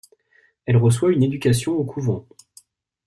Elle reçoit une éducation au couvent.